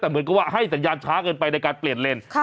แต่เหมือนกับว่าให้สัญญาณช้าเกินไปในการเปลี่ยนเลน